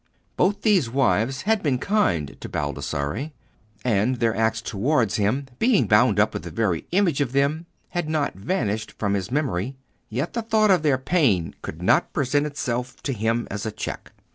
Both these wives had been kind to Baldassarre, and their acts towards him, being bound up with the very image of them, had not vanished from his memory; yet the thought of their pain could not present itself to him as a check.